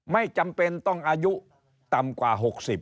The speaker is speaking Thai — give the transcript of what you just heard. ไม่จำเป็นต้องอายุต่ำกว่า๖๐